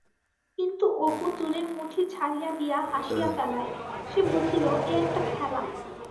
কিন্তু অপু চুলের মুঠি ছাড়িয়া দিয়া হাসিয়া ফেলায়, সে বুঝিল এ একটা খেলা।